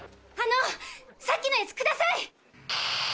あのさっきのやつください！